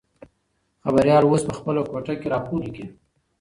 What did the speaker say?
خبریال اوس په خپله کوټه کې راپور لیکي.